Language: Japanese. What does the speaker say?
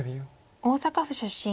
大阪府出身。